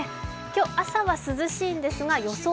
今日、朝は涼しいんですが予想